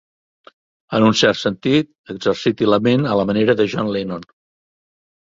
En un cert sentit, exerciti la ment a la manera de John Lennon.